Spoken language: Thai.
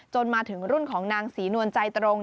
มาถึงรุ่นของนางศรีนวลใจตรง